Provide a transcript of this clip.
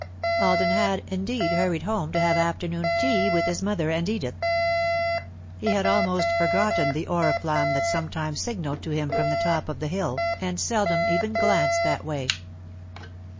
Alden had, indeed, hurried home to have afternoon tea with his mother and Edith. He had almost forgotten the oriflamme that sometimes signalled to him from the top of the hill, and seldom even glanced that way.